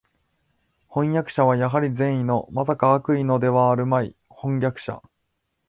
飜訳者はやはり善意の（まさか悪意のではあるまい）叛逆者